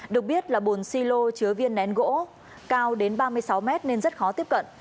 được biết là bồn silo chứa viên nén gỗ cao đến ba mươi sáu mét nên rất khó tiếp cận